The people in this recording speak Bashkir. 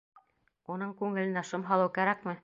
Уның күңеленә шом һалыу кәрәкме?..